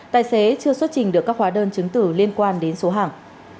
tài xế chưa xuất trình được các hóa đơn chứng tử liên quan đến số hàng